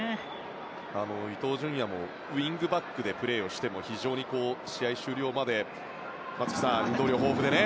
伊東純也もウィングバックでプレーしても非常に試合終了まで運動量が豊富でね。